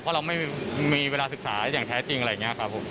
เพราะเราไม่มีเวลาศึกษาอย่างแท้จริงอะไรอย่างนี้ครับผม